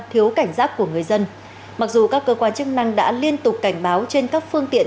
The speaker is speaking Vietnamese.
thiếu cảnh giác của người dân mặc dù các cơ quan chức năng đã liên tục cảnh báo trên các phương tiện